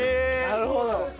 なるほど。